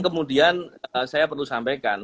kemudian saya perlu sampaikan